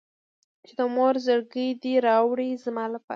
چې د مور زړګی دې راوړي زما لپاره.